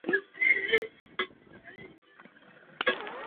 这是叙利亚问题的决议草案第四次在安理会被俄中两国否决。